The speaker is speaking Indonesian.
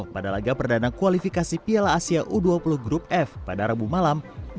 pada laga perdana kualifikasi piala asia u dua puluh group f pada rabu malam